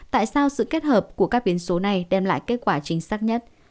tại sao sự kết hợp của các biến số này đem lại kết quả chính xác nhất